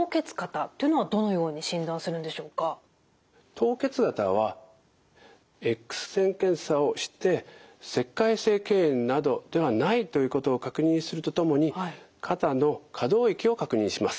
凍結肩はＸ線検査をして石灰性けん炎などではないということを確認するとともに肩の可動域を確認します。